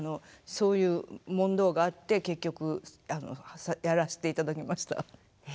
そういう問答があって結局やらせていただきました。